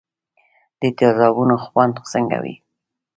د تیزابو خوند څنګه وي.